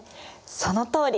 そのとおり！